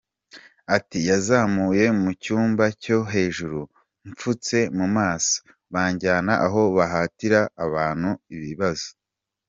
Ati “Yanzamuye mu cyumba cyo hejuru mpfutse mu maso, banjyana aho bahatira abantu ibibazo.”